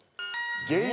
「芸人」。